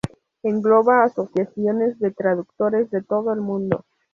Engloba a asociaciones de traductores de todo el mundo.